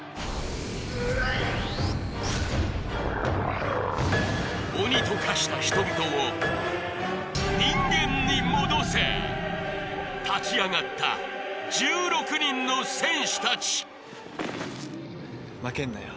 ううっ鬼と化した人々を人間に戻せ立ち上がった１６人の戦士達負けんなよ